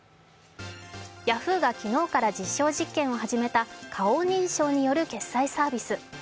ヤフーが昨日から実証実験を始めた顔認証による決済サービス。